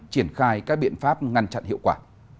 triển khai các biện pháp ngăn chặn hiệu quả